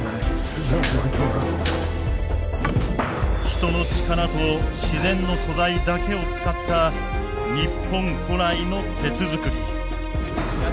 人の力と自然の素材だけを使った日本古来の鉄づくり。